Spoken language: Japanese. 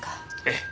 ええ。